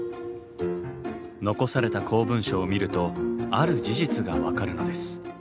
残された公文書を見るとある事実が分かるのです。